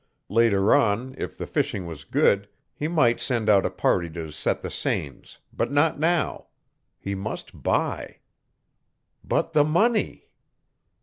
Later on, if the fishing was good, he might send out a party to set the seines, but not now. He must buy. But the money!